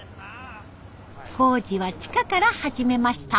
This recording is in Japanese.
工事は地下から始めました。